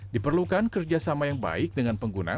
diperlukan kerjasama yang baik dengan pengguna